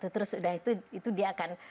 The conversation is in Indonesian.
terus sudah itu dia akan